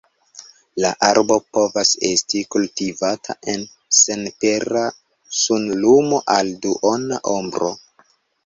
La arbo povas esti kultivata en senpera sunlumo al duona ombro.